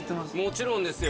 もちろんですよ。